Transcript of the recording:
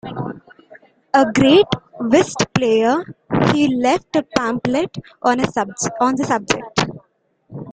A great whist player, he left a pamphlet on the subject.